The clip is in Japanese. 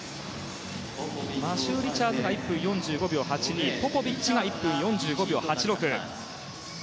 マシュー・リチャーズが１分４５秒８２ポポビッチが１分４５秒８６。